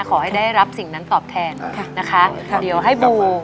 ขอให้ได้รับสิ่งนั้นตอบแทนค่ะนะคะเดี๋ยวให้บู